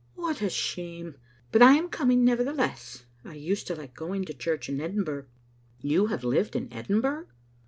"What a shame! But I am coming, nevertheless. I used to like going to church in Edinburgh," "You have lived in Edinburgh?"